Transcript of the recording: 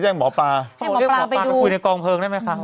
ให้หมอปลาไปดูโอ้โหหมอปลามาไปคุยในกองเพลิงได้มั้ยคะ